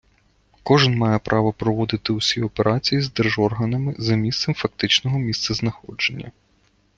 Кожен має право проводити усі операції з держорганами за місцем фактичного місцезнаходження.